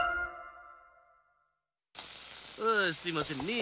ああすいませんねえ。